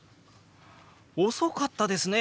遅かったですね。